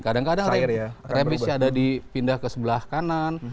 kadang kadang remisi ada dipindah ke sebelah kanan